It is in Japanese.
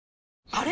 あれ？